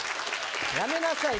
やめなさい。